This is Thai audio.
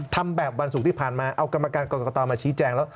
ทำแบบวันศุกร์ที่ผ่านมาเอากรกกมาชี้แจง